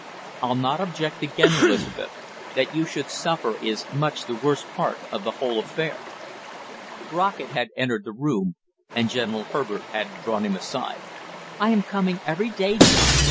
"I'll not object again, Elizabeth; that you should suffer is much the worst part of the whole affair!" Brockett had entered the room and General Herbert had drawn him aside. "I am coming every day, John!"